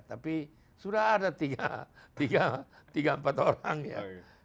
tapi sudah ada tiga empat orang ya